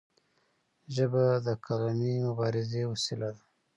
ژبه د قلمي مبارزې وسیله ده.